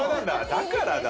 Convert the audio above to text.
だからだ。